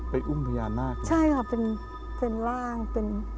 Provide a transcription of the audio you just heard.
ไปอุ้มพญานาคเหรอคะอเรนนี่ใช่ค่ะเป็นร่างเป็น